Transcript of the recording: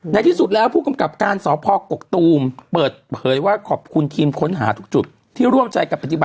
ในที่สุดแล้วผู้กำกับการสพกกกตูมเปิดเผยว่า